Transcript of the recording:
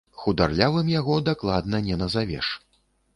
Хударлявым яго дакладна не назавеш.